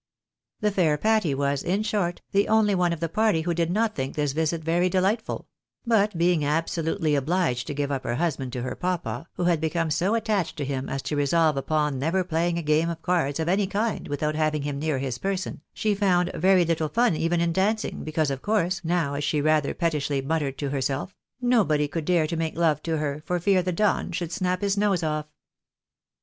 The fair Patty was, in short, che only one of the party who did not think this visit very delightful ; but being absolutely obliged to give up her husband to her papa, who had become so attached to him as to resolve upon never playing a game of cards of any kind without having him near his person, she found very little fun even in dancing, because, of course, now, as she rather pettishly muttered to herself, " Nobody could dare to make love to her for fear the Don should snap his nose off."